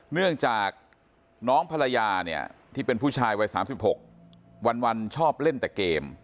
เนื่องจากน้องภรรยาเนี่ยที่เป็นผู้ชายวัย๓๖วันชอบเล่นแต่เกม